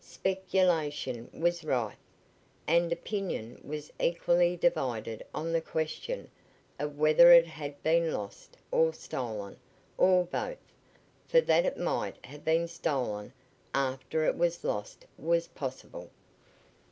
Speculation was rife, and opinion was equally divided on the question of whether it had been lost or stolen, or both, for that it might have been stolen after it was lost was possible.